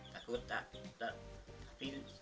takut takut tapi selesai